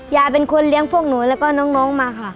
ยายเป็นคนเลี้ยงพวกหนูแล้วก็น้องมาค่ะ